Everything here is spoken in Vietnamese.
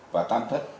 và tam thất